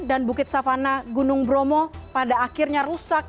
dan bukit savana gunung bromo pada akhirnya rusak